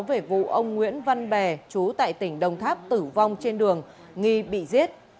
về vụ ông nguyễn văn bè chú tại tỉnh đồng tháp tử vong trên đường nghi bị giết